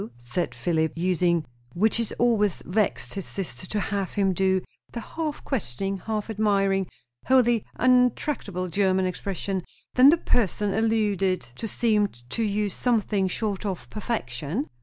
said Philip, using, which it always vexed his sister to have him do, the half questioning, half admiring, wholly unattackable German expression. "Then the person alluded to seemed to you something short of perfection?"